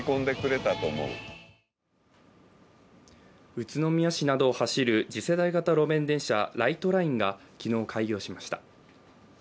宇都宮市などを走る次世代型路面電車ライトラインが昨日、開業しました